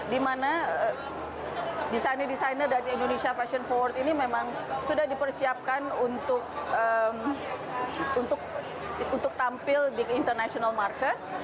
dimana desainer desainer dari indonesia fashion forward ini memang sudah dipersiapkan untuk tampil di international market